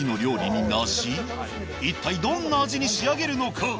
一体どんな味に仕上げるのか？